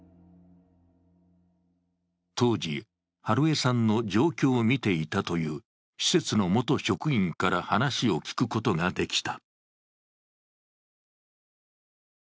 当時、美枝さんの状況を見ていたという施設の元職員から話を聞くことができた。